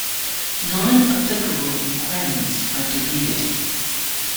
Non-applicable requirements are deleted.